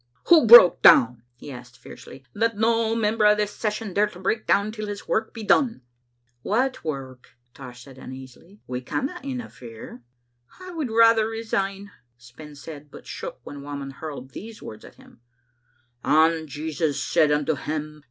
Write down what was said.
"Who broke down?" he asked fiercely. "Let no member of this Session dare to break down till his work be done. " "What work?" Tosh said uneasily. "We canna in terfere. "" I would rather resign," Spens said, but shook when Whamond hurled these words at him: "* And Jesus said unto him.